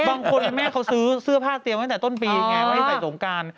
บางคนแม่เขาซื้อผ้าเตรียมตั้งแต่ต้นปีไงวัฒนศักดิ์สงการ